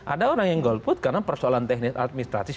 ada orang yang golput karena persoalan teknis administratif